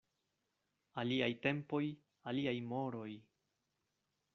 Aliaj tempoj, aliaj moroj.